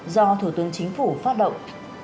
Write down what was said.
do thủ tướng chính phủ phát động